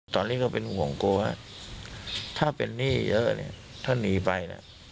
ตอนนี้ก็เป็นห่วงกลัวถ้าเป็นนี่เยอะถ้านีไป